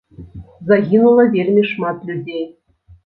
Загінула вельмі шмат людзей.